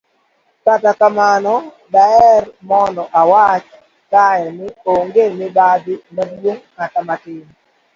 kata kamano, daher mondo awach kae ni onge mibadhi maduong' kata matin